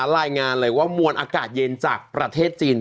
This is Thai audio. รายงานเลยว่ามวลอากาศเย็นจากประเทศจีน